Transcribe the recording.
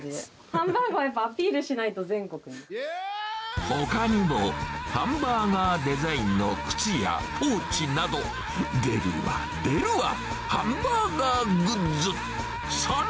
ハンバーガーをやっぱ、アピールほかにも、ハンバーガーデザインの靴やポーチなど、出るわ、出るわ、ハンバーガーグッズ。